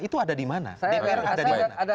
itu ada dimana